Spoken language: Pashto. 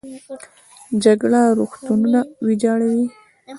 جګړه روغتونونه ویجاړوي